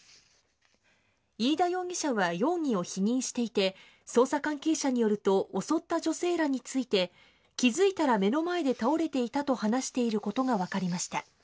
飯田容疑者は容疑を否認していて、捜査関係者によると、襲った女性らについて、気付いたら目の前で倒れていたと話していることが分かりました。